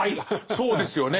そうですよね。